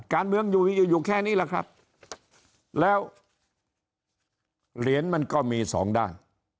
การเมืองอยู่อยู่แค่นี้แหละครับแล้วเหรียญมันก็มีสองด้าน